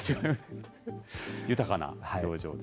豊かな表情で。